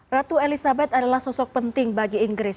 ratu elizabeth adalah sosok penting bagi inggris